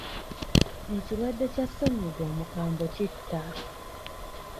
Ekirwadde kya ssennyiga omukambwe kitta.